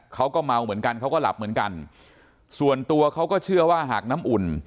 เขาก็เมาเหมือนกันเขาก็หลับเหมือนกันส่วนตัวเขาก็เชื่อว่าหากน้ำอุ่น